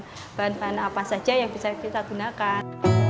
jadi bahan bahan apa saja yang bisa kita gunakan